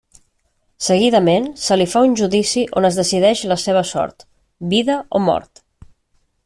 Seguidament, se li fa un judici on es decideix la seva sort: vida o mort.